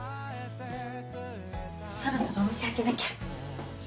そろそろお店開けなきゃ。